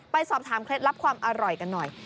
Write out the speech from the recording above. ไปสอบถามเคล็ดลับความอร่อยกันหน่อย